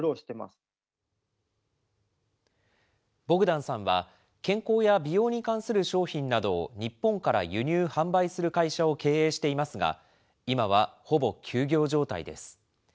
ボグダンさんは、健康や美容に関する商品などを日本から輸入販売する会社を経営していますが、今はほぼ休業状態です。